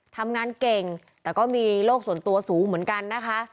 ทำงานเก่งแต่ก็มีโรคส่วนตัวสูงเหมือนกันนะคะ